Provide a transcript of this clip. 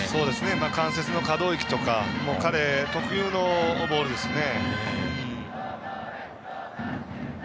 関節の可動域とか彼特有のボールですね。